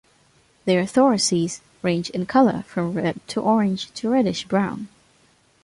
Their thoraces range in color from red to orange to reddish brown.